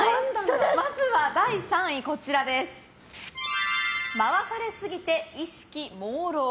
まずは第３位回されすぎて意識朦朧。